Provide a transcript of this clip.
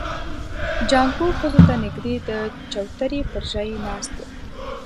جانکو ښځو ته نږدې د چوترې پر ژی ناست و.